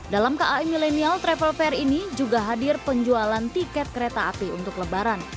dalam kai milenial travel fair ini juga hadir penjualan tiket kereta api untuk lebaran